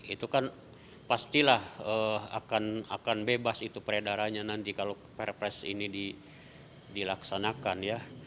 itu kan pastilah akan bebas itu peredarannya nanti kalau perpres ini dilaksanakan ya